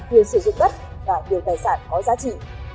quyền sử dụng bất và điều tài sản có giá trị